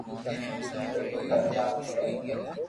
ايڪ پنجاب ھي